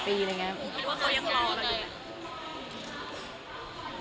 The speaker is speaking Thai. คิดว่าเขายังรอหรือเปล่า